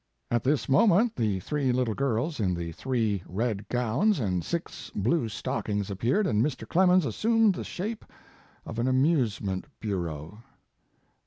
4 At this moment the three little girls in the three red gowns and six blue stockings appeared, and Mr. Clemens assumed the shape of an crrmseraent bureau."